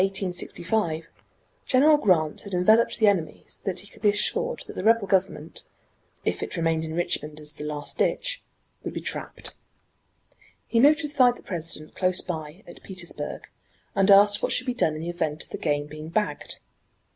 On April 7, 1865, General Grant had enveloped the enemy so that he could be assured that the rebel government, if it remained in Richmond as the "last ditch," would be trapped. He notified the President close by, at Petersburg, and asked what should be done in the event of the game being bagged.